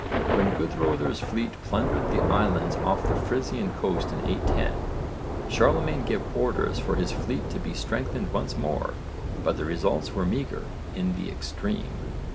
When Guðröðr's fleet plundered the islands off the Frisian coast in 810, Charlemagne gave orders for his fleet to be strengthened once more, but the results were meagre in the extreme.